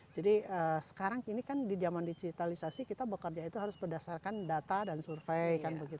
jadi sekarang ini kan di zaman digitalisasi kita bekerja itu harus berdasarkan data dan survei